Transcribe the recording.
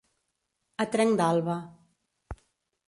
A trenc d'alba.